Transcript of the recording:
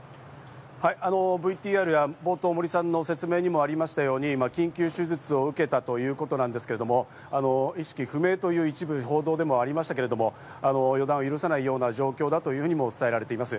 ＶＴＲ冒頭、森さんの説明にあったように緊急施術を受けたということなんですけれども、意識不明という一部報道でもありましたけれども、予断を許さない状況だというふうにも伝えられています。